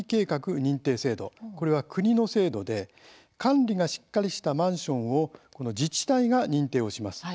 これは国の制度で管理がしっかりしたマンションを自治体が認定をします。